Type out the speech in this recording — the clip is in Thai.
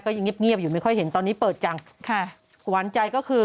ยังเงียบเงียบอยู่ไม่ค่อยเห็นตอนนี้เปิดจังค่ะหวานใจก็คือ